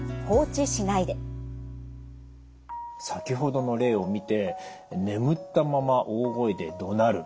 先ほどの例を見て眠ったまま大声でどなる。